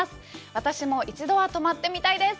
私も一度は泊まってみたいです。